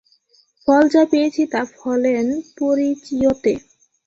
ফল যা পেয়েছি তা ফলেন পরিচীয়তে।